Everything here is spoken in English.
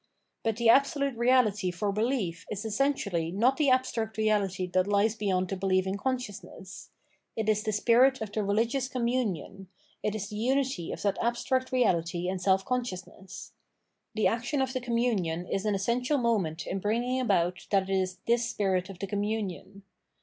But the Absolute Reahty for behef is essentially not the abstract reahty that hes beyond the beheving consciousness ; it is the spirit of the rehgious commumon, it is the unity of that abstract reality and self consciousness. The action of the communion is an essential moment in bringing about that it is this spirit of the communion.